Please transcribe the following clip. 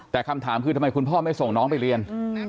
แต่คำถามคือทำไมคุณพ่อไม่ส่งน้องไปเรียน